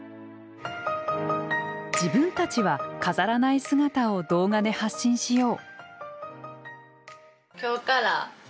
自分たちは飾らない姿を動画で発信しよう。